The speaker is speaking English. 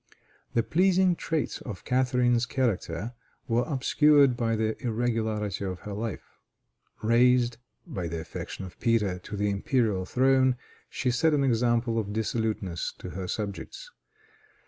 The pleasing traits of Catharine's character were obscured by the irregularity of her life. Raised, by the affection of Peter, to the imperial throne, she set an example of dissoluteness to her subjects.